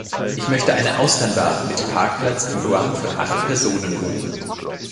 Ich möchte eine Austernbar mit Parkplatz in Guam für acht Personen buchen.